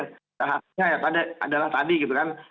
seharusnya ya adalah tadi gitu kan